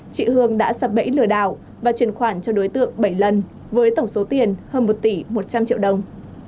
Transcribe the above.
chị hương đã sập bẫy lừa đảo và truyền khoản cho đối tượng bảy lần với tổng số tiền hơn một tỷ một trăm linh triệu đồng